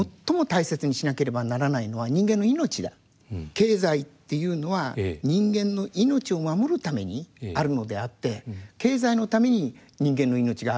経済っていうのは人間の命を守るためにあるのであって経済のために人間の命があるのではないと。